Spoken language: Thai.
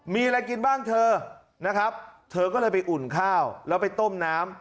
มีอะไรกินบ้างเธอนะครับเธอก็เลยไปอุ่นข้าวแล้วไปต้มน้ำ